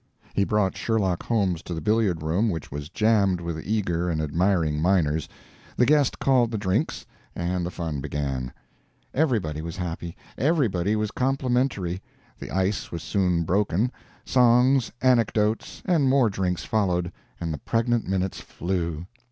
He brought Sherlock Holmes to the billiard room, which was jammed with eager and admiring miners; the guest called the drinks, and the fun began. Everybody was happy; everybody was complimentary; the ice was soon broken; songs, anecdotes, and more drinks followed, and the pregnant minutes flew.